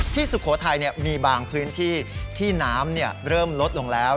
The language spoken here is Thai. สุโขทัยมีบางพื้นที่ที่น้ำเริ่มลดลงแล้ว